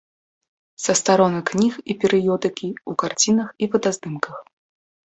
Са старонак кніг і перыёдыкі, у карцінах і фотаздымках.